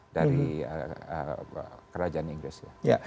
dari kerajaan inggris ya